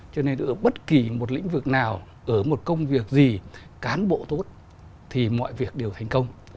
cho nên ở bất kỳ một lĩnh vực nào ở một công việc gì cán bộ tốt thì mọi việc đều thành công